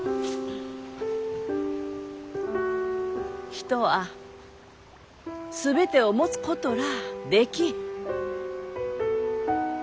人は全てを持つことらあできん。